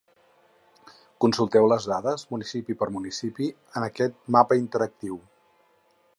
Consulteu les dades, municipi per municipi, en aquest mapa interactiu.